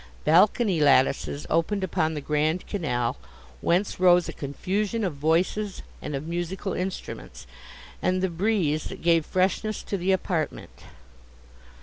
Balcony lattices opened upon the grand canal, whence rose a confusion of voices and of musical instruments, and the breeze that gave freshness to the apartment.